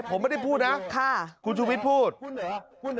ผมไม่ได้พูดนะคุณชูวิทย์พูด